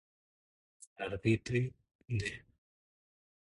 A l'arbitri de.